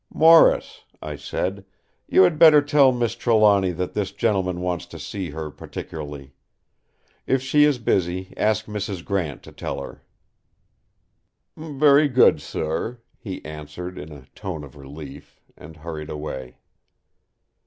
"Morris," I said, "you had better tell Miss Trelawny that this gentleman wants to see her particularly. If she is busy, ask Mrs. Grant to tell her." "Very good, sir!" he answered in a tone of relief, and hurried away.